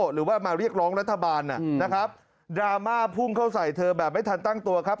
หรือว่ามาเรียกร้องรัฐบาลนะครับดราม่าพุ่งเข้าใส่เธอแบบไม่ทันตั้งตัวครับ